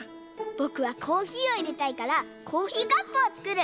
ぼくはコーヒーをいれたいからコーヒーカップをつくる！